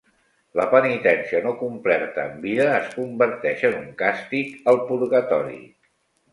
La penitència no complerta en vida es converteix en un càstig al Purgatori.